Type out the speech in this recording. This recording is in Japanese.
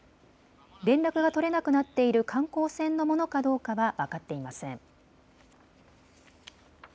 連絡が取れなくなっている観光船のものかどうかは分かっていません。